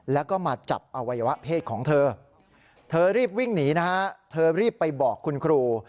แล้วก็มาจับอวัยวะเพศของเธอเธอรีบวิ่งหนีนะฮะเธอรีบไปบอกคุณครู